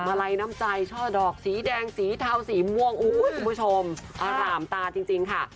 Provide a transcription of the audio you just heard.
อะไรน้ำใจช่อดอกสีแดงสีเทาสีม่วงคุณผู้ชมอร่ามตาจริงค่ะ